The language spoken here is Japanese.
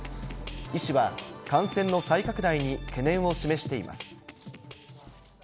医師は感染の再拡大に懸念を示しています。